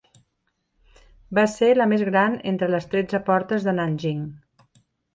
Va ser la més gran entre les tretze portes de Nanjing.